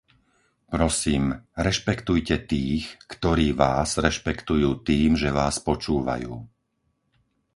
Prosím, rešpektujte tých, ktorí vás rešpektujú tým, že vás počúvajú.